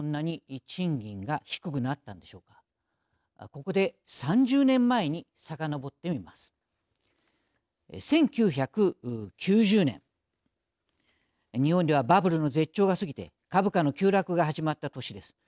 １９９０年日本ではバブルの絶頂が過ぎて株価の急落が始まった年です。